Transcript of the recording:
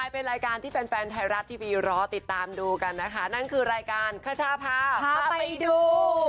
เป็นรายการที่แฟนแฟนไทยรัฐทีวีรอติดตามดูกันนะคะนั่นคือรายการคชาพาพาไปดู